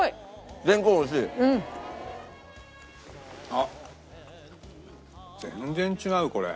あっ全然違うこれ。